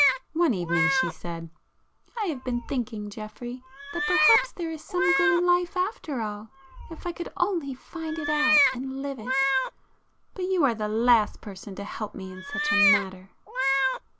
One evening she said— "I have been thinking, Geoffrey, that perhaps there is some good in life after all, if I could only find it out and live it. But you are the last person to help me in such a matter."